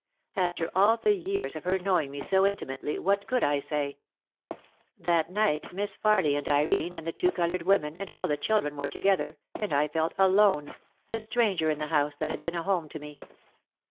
After all the years of her knowing me so intimately what could I say ! That night Miss Farly and Irene and the two coloured women and all the children were together and I felt alone, a stranger in the house that had been a home to me.